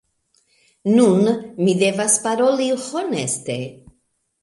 Nun, mi devas paroli honeste: